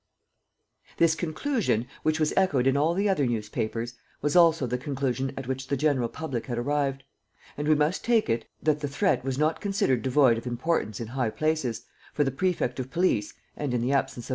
This conclusion, which was echoed in all the other newspapers, was also the conclusion at which the general public had arrived. And we must take it that the threat was not considered devoid of importance in high places, for the prefect of police and, in the absence of M.